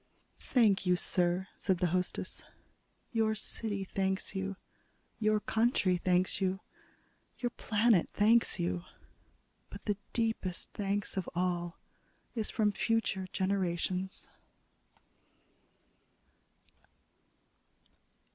"Thank you, sir," said the hostess. "Your city thanks you; your country thanks you; your planet thanks you. But the deepest thanks of all is from future generations."